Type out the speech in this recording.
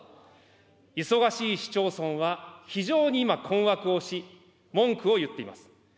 忙しい市町村は非常に今、困惑をし、文句を言っています。